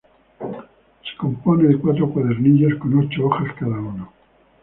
Se compone de cuatro cuadernillos con ocho hojas cada uno.